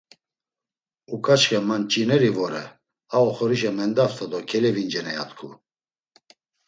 Uǩaçxe; Ma nç̌ineri vore. A oxorişa mendaft̆a do kelevincina, ya t̆ǩu.